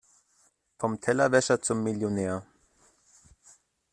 Vom Tellerwäscher zum Millionär.